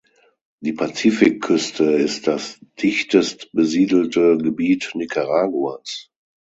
Die Pazifikküste ist das dichtest besiedelte Gebiet Nicaraguas.